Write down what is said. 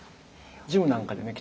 ジムなんかでね